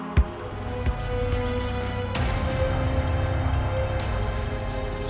kalau aku keberadaan itu